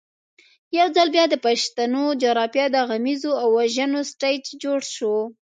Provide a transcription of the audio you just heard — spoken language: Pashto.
یو ځل بیا د پښتنو جغرافیه د غمیزو او وژنو سټېج جوړ شو.